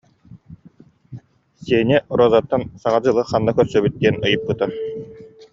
Сеня Розаттан Саҥа дьылы ханна көрсөбүт диэн ыйыппыта